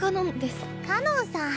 かのんさん！